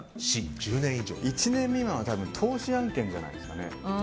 １年未満は投資案件じゃないですかね。